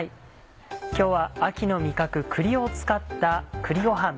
今日は秋の味覚栗を使った「栗ごはん」。